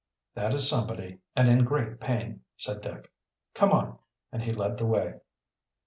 "That is somebody, and in great pain," said Dick. "Come on," and he led the way.